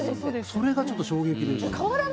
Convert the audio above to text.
それがちょっと衝撃でした。